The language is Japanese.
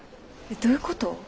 どういうこと？